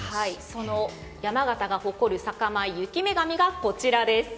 その山形が誇る酒米、雪女神がこちらです。